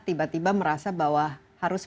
tiba tiba merasa bahwa harus